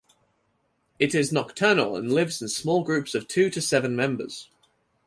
It is nocturnal and lives in small groups of two to seven members.